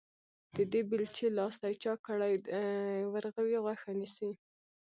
د دې بېلچې لاستي چاک کړی، د ورغوي غوښه نيسي.